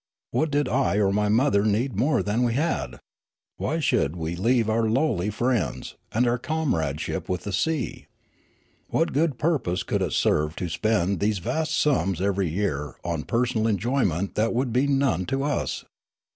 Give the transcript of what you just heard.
What did I or my mother need more than we had ? Wh} should we leave our lowly friends, and our comradeship with the sea ? What good purpose could it serve to spend these vast sums every year on personal enjoyment that would be none to us